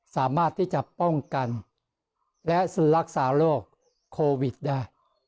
สามารถที่จะป้องกันและรักษาโรคโควิดได้